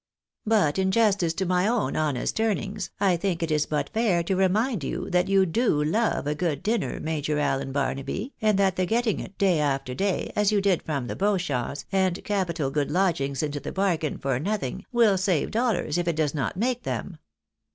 But, in justice to my own honest earnings, I think it is but fair to remind you that you do love a good dinner, Major Allen Barnaby, and that the getting it, day after day, as you did from the Beauchamps, and capital good" lodgings into the bargain for nothing, will save dollars if it does not make them."